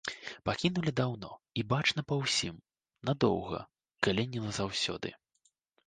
Пакінулі даўно, і бачна па ўсім, надоўга, калі не назаўсёды.